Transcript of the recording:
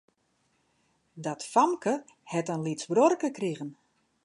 Dat famke hat in lyts bruorke krigen.